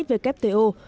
về kép t o